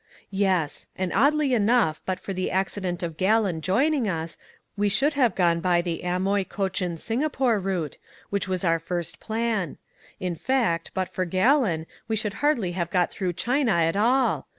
"Yes. And oddly enough but for the accident of Gallon joining us, we should have gone by the Amoy, Cochin, Singapore route, which was our first plan. In fact, but for Gallon we should hardly have got through China at all.